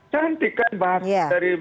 cantik kan mbak fathia